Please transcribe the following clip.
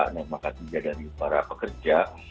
nembak kerja dari para pekerja